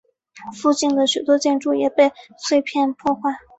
附近的许多建筑也被碎片破坏。